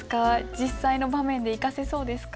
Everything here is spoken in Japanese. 実際の場面で生かせそうですか？